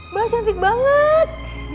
mbak cantik banget